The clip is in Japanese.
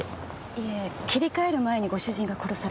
いえ切り替える前にご主人が殺されて。